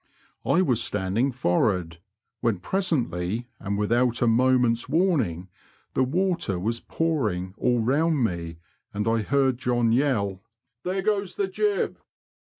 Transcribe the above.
I was standing '' for' ard," when presently, and without a moment's warning, the water was pouring all round me, and I heard John yell, '* There goes the jib."